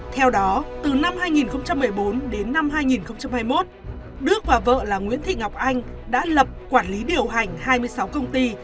theo đó từ năm hai nghìn một mươi bốn đến năm hai nghìn hai mươi một đức và vợ là nguyễn thị ngọc anh đã lập quản lý điều hành hai mươi sáu công ty